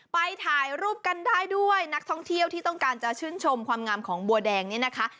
ไปถ่ายรูปกันได้ด้วยนักท่องเที่ยวที่ต้องการจะชื่นชมความงามของบัวแดงนี่นะคะ